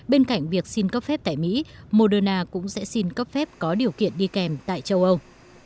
bên cạnh việc xin cấp phép tại mỹ moderna cũng sẽ xin cấp phép có điều kiện đi kèm tại châu âu